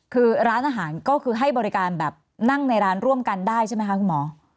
คือร้านอาหารก็คือให้บริการแบบนั่งในร้านร่วมกันได้ใช่ไหมคะคุณหมอ